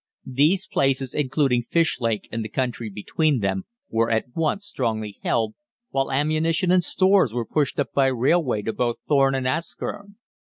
These places, including Fishlake and the country between them, were at once strongly held, while ammunition and stores were pushed up by railway to both Thorne and Askern.